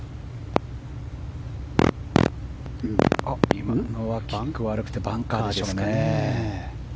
今のはキックが悪くてバンカーですかね。